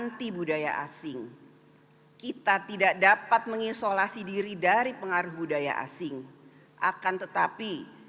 anti budaya asing kita tidak dapat mengisolasi diri dari pengaruh budaya asing akan tetapi